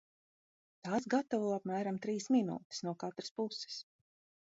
Tās gatavo apmēram trīs minūtes no katras puses.